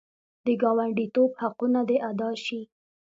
د ګاونډیتوب حقونه دې ادا شي.